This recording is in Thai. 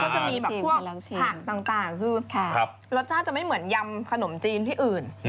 จะมีแบบพวกผักต่างคือรสชาติจะไม่เหมือนยำขนมจีนที่อื่น